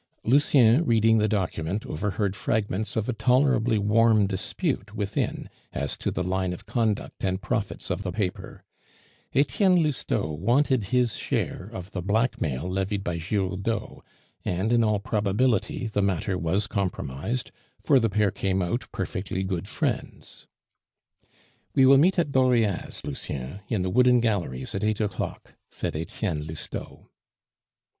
Lucien, reading the document, overheard fragments of a tolerably warm dispute within as to the line of conduct and profits of the paper. Etienne Lousteau wanted his share of the blackmail levied by Giroudeau; and, in all probability, the matter was compromised, for the pair came out perfectly good friends. "We will meet at Dauriat's, Lucien, in the Wooden Galleries at eight o'clock," said Etienne Lousteau.